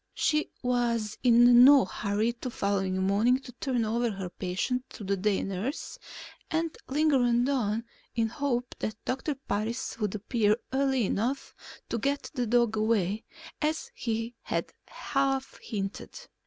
She was in no hurry the following morning to turn over her patient to the day nurse and lingered on in the hope that Doctor Parris would appear early enough to get the dog away, as he had half hinted.